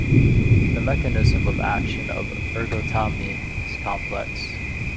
The mechanism of action of ergotamine is complex.